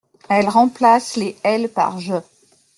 Elle remplace les Elle par Je.